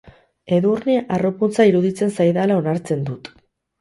Edurne harroputza iruditzen zaidala onartzen dut.